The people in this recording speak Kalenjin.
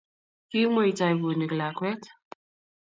kiimweitoi bunik lakwet